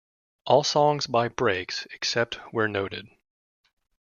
All songs by Brakes except where noted.